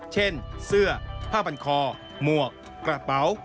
เช่นเสื้อผ้าบันคอหมวกกระเป๋า